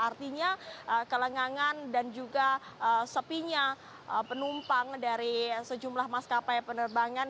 artinya kelengangan dan juga sepinya penumpang dari sejumlah maskapai penerbangan